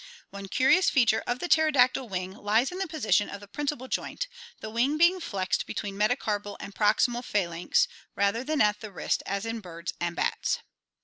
One curious feature of the pterodactyl wing lies in the position of the principal joint, the wing being flexed between metacarpal and proximal phalanx, rather than at the wrist as in birds and bats.